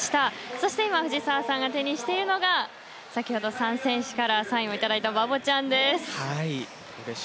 そして今藤澤さんが手にしているのが先ほど３選手からサインを頂いたバボちゃんです。